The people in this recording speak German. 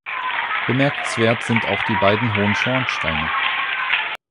Bemerkenswert sind auch die beiden hohen Schornsteine.